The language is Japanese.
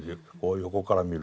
横から見ると。